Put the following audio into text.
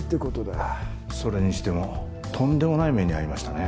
それにしてもとんでもない目に遭いましたね。